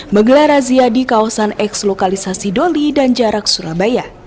menggelar razia di kawasan eks lokalisasi doli dan jarak surabaya